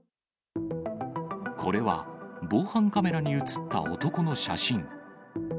これは防犯カメラに写った男の写真。